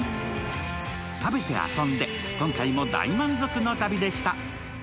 食べて遊んで、今回も大満足の旅でした。